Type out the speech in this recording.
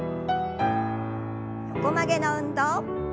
横曲げの運動。